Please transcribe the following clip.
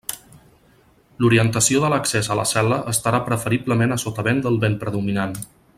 L'orientació de l'accés a la cel·la estarà preferiblement a sotavent del vent predominant.